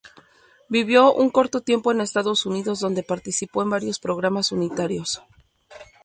Vivió un corto tiempo en Estados Unidos donde participó en varios programas unitarios.